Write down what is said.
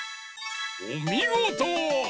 おみごと！